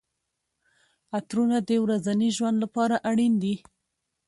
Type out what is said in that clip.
عطرونه د ورځني ژوند لپاره اړین دي.